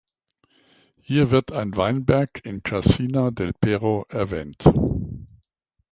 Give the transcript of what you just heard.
Hier wird ein Weinberg in Cassina del Pero erwähnt.